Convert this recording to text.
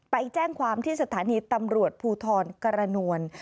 ไปแจ้งความที่สถานีตำรวจภูทรกรณวล